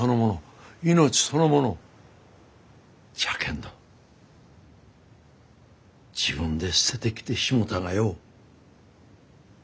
じゃけんど自分で捨ててきてしもうたがよ。